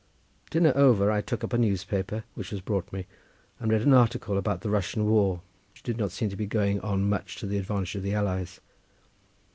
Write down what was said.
Dinner over I took up a newspaper which was brought me, and read an article about the Russian war, which did not seem to be going on much to the advantage of the allies.